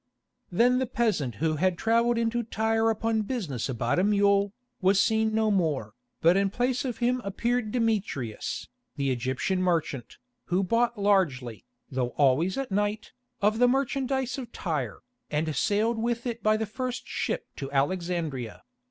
Then the peasant who had travelled into Tyre upon business about a mule, was seen no more, but in place of him appeared Demetrius, the Egyptian merchant, who bought largely, though always at night, of the merchandise of Tyre, and sailed with it by the first ship to Alexandria.